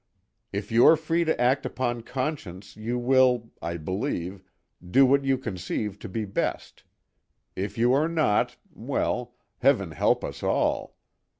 If you are free to act upon conscience you will, I believe, do what you conceive to be best; if you are not—well, Heaven help us all!